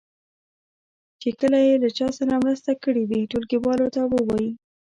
چې کله یې له چا سره مرسته کړې وي ټولګیوالو ته یې ووایي.